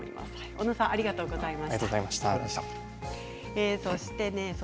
小野さんありがとうございます。